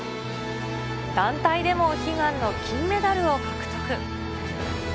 団体でも悲願の金メダルを獲得。